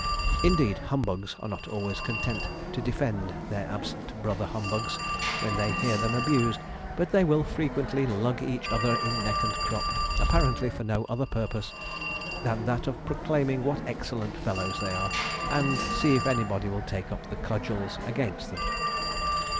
Indeed, humbugs are not always content to defend their absent brother humbugs when they hear them abused, but they will frequently lug each other in neck and crop, apparently for no other purpose than that of proclaiming what excellent fellows they are, and see if anybody will take up the cudgels against them.